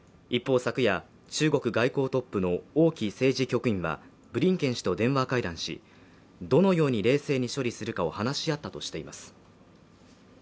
昨夜中国外交トップの王毅政治局員はブリンケン氏と電話会談しどのように冷静に処理するかを話し合ったとしています